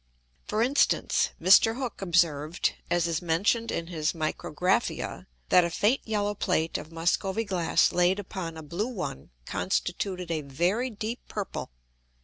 For instance, Mr. Hook observed, as is mentioned in his Micrographia, that a faint yellow Plate of Muscovy Glass laid upon a blue one, constituted a very deep purple.